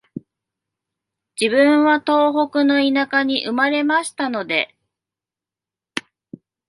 自分は東北の田舎に生まれましたので、